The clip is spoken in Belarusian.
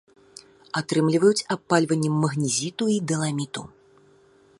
Атрымліваюць абпальваннем магнезіту і даламіту.